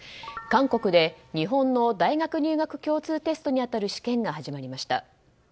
韓国で日本の大学入学共通テストに当たる試験が始まりました。